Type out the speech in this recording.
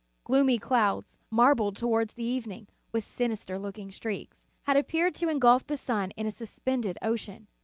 Gloomy clouds, marbled, towards evening, with sinister looking streaks, had appeared to engulf the sun in a suspended ocean.